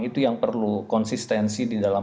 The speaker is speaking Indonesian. itu yang perlu konsistensi di dalam